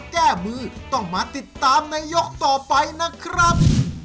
แก้มือต้องมาติดตามในยกต่อไปนะครับ